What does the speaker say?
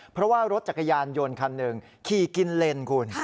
เพราะว่ารถจักรยานยนต์คันหนึ่งขี่กินเลนคุณ